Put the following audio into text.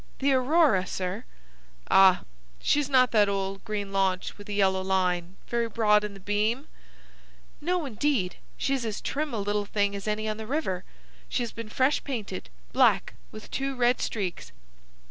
"The Aurora, sir." "Ah! She's not that old green launch with a yellow line, very broad in the beam?" "No, indeed. She's as trim a little thing as any on the river. She's been fresh painted, black with two red streaks."